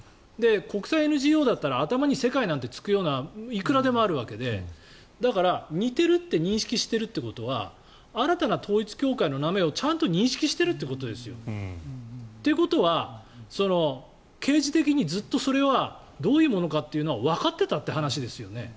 国際ＮＧＯだったら頭に世界なんてつくのはいくらでもあるわけでだから、似てるって認識しているということは新たな統一教会の名前をちゃんと認識しているということですよ。ということは、経時的にずっとそれはどういうものかってわかっていたという話ですよね。